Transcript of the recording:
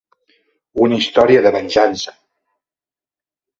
Una història de venjança.